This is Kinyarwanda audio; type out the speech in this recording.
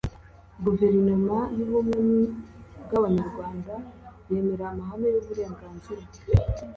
guverinoma y'ubumwe bw'abanyarwanda yemera amahame y'uburenganzira